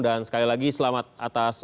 sekali lagi selamat atas